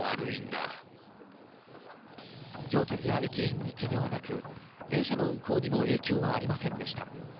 乗客や駅員にけがはなく、電車の運行にも影響はありませんでした。